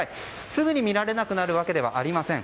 すぐに見られなくなるわけではありません。